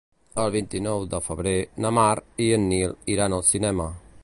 El vint-i-nou de febrer na Mar i en Nil iran al cinema.